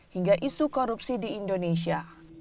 hingga isu korupsi di indonesia